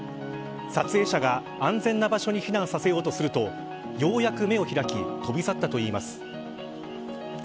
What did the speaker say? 撮影者が安全な場所に避難させようとするとようやく目を開き飛び去ったといいます。